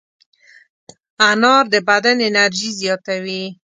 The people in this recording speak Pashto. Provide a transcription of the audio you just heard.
انار د بدن انرژي زیاتوي.